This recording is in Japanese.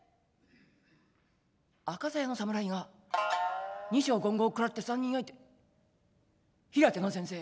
「赤鞘の侍が二升五合食らって三人相手平手の先生